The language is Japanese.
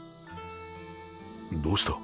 どうした？